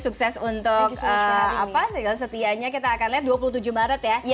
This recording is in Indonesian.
sukses untuk segala setianya kita akan lihat dua puluh tujuh maret ya